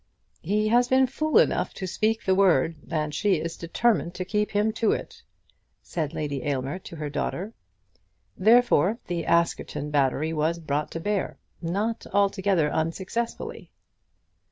"He has been fool enough to speak the word, and she is determined to keep him to it," said Lady Aylmer to her daughter. Therefore the Askerton battery was brought to bear, not altogether unsuccessfully.